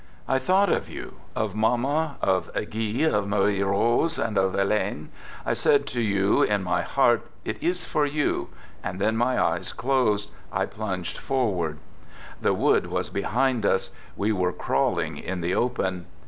I thought of you, of Mamma, of Guy, of Marie Rose, and of Helen. I said to you in my heart: " It is for you !"— and then, my eyes closed, I plunged forward! The wood was behind us. We were crawling in the open.